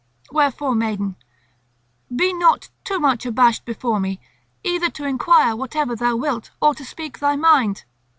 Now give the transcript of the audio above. Wherefore, maiden, be not too much abashed before me, either to enquire whatever thou wilt or to speak thy mind.